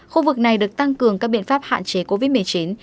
khu vực này được tăng cường các biện pháp hạn chế covid một mươi chín